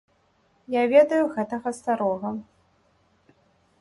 Я ведаю гэтага старога.